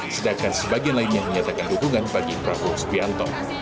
sedangkan sebagian lain yang menyatakan dukungan bagi prabowo sepianto